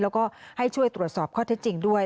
แล้วก็ให้ช่วยตรวจสอบข้อเท็จจริงด้วย